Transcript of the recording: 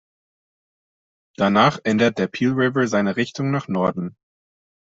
Danach ändert der Peel River seine Richtung nach Norden.